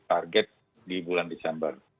target di bulan desember